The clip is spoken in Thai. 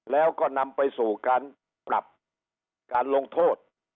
แล้วก็นำไปสู่การปรับการลงโทษ